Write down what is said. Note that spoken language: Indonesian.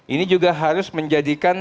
ini juga harus menjadikan